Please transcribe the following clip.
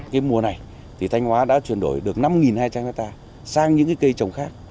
cái mùa này thì thanh hóa đã chuyển đổi được năm hai trăm linh hectare sang những cây trồng khác